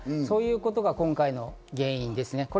そういうことが今回の原因ですね。